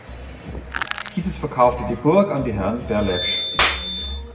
Dieses verkaufte die Burg an die Herren Berlepsch.